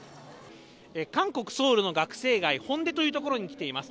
韓国・ソウルの学生街、ホンデという所に来ています。